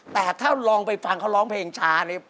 แต่ถ้าลองไปฟังเขาร้องเพลงช้านี่